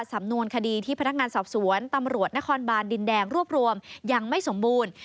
สำนวนคดีที่พนักงานสอบสวนตำรวจนครบานดินแดงรวบรวมยังไม่สมบูรณ์